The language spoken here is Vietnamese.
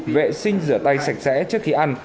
vệ sinh rửa tay sạch sẽ trước khi ăn